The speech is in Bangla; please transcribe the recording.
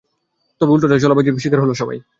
তবে উল্টো চালবাজির স্বীকার হলো সবাই।